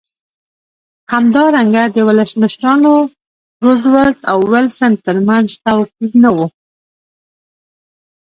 همدارنګه د ولسمشرانو روزولټ او ویلسن ترمنځ توپیر نه و.